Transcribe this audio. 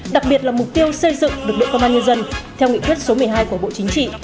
đặc biệt là mục tiêu xây dựng lực lượng công an nhân dân theo nghị quyết số một mươi hai của bộ chính trị